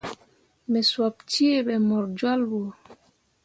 Me sop cee ɓe mor jolɓo.